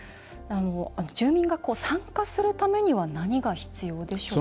住民が参加するためには何が必要でしょうか？